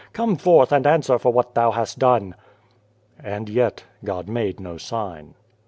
Come forth, and answer for what Thou hast done !" And yet God made no sign.